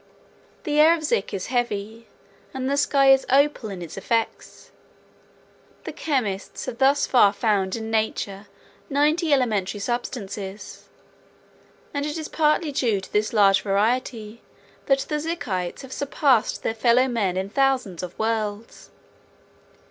The air of Zik is heavy and the sky is opal in its effects. The chemists have thus far found in nature ninety elementary substances, and it is partly due to this large variety that the Zikites have surpassed their fellow men in thousands of worlds.